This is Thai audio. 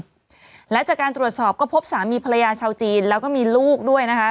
และจากการตรวจสอบก็พบสามีภรรยาชาวจีนแล้วก็มีลูกด้วยนะคะ